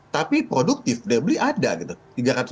tapi produktif daya beli ada gitu